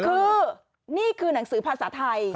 คือนี่คือหนังสือภาษาไทย